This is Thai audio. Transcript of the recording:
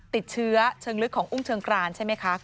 ติดเชื้อเชิงฤทธิ์ขององค์เชิงกรานใช่ไม่คะ